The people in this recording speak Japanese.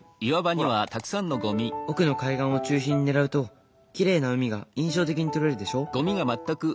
ほら奥の海岸を中心に狙うときれいな海が印象的に撮れるでしょ。